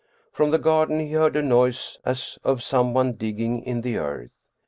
From the garden he heard a noise as of some one digging in the earth.